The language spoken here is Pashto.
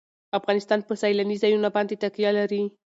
افغانستان په سیلانی ځایونه باندې تکیه لري.